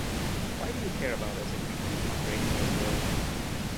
Why do you care about us if we keep on breaking your world?